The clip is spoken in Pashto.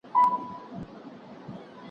تاوېدی له ډېره درده قهرېدلی